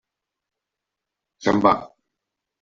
Se'n va.